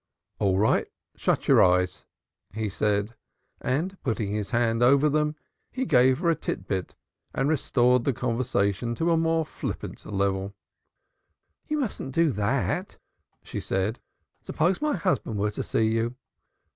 "All right, shut your eyes," he said, and putting his hand over them he gave her a titbit and restored the conversation to a more flippant level. "You mustn't do that," she said. "Suppose my husband were to see you."